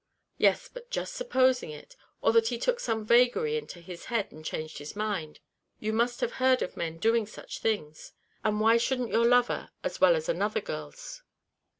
"Yes, but just supposing it, or that he took some vagary into his head, and changed his mind! You must have heard of men doing such things, and why shouldn't your lover as well as another girl's?